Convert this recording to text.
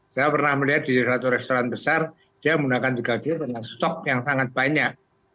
saya pernah melihat di satu restoran besar dia menggunakan tiga d dengan stok yang sangat banyak